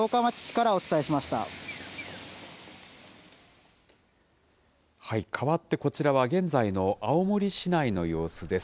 かわって、こちらは現在の青森市内の様子です。